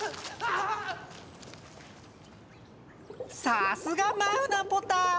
さすがマウナポタ。